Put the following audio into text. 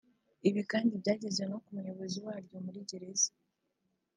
Ibi kandi byageze no ku muyobozi waryo muri gereza